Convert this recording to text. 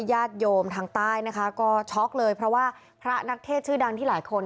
ญาติโยมทางใต้นะคะก็ช็อกเลยเพราะว่าพระนักเทศชื่อดังที่หลายคน